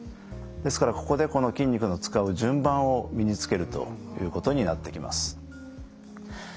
ですからここでこの筋肉の使う順番を身につけるということになってきます。